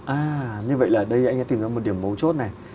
à như vậy là ở đây anh đã tìm ra một điểm mấu chốt này